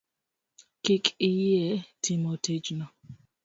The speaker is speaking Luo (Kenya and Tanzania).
Kik iyie timo tijno?